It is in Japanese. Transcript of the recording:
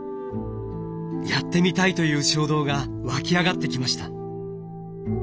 やってみたいという衝動がわき上がってきました。